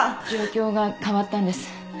状況が変わったんです。